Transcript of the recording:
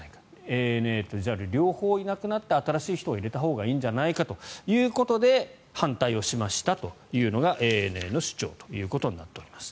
ＡＮＡとＪＡＬ両方いなくなって新しい人を入れたほうがいいんじゃないかということで反対をしましたというのがＡＮＡの主張となっています。